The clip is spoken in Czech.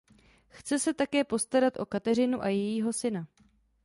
Chce se také postarat o Kateřinu a jejího syna.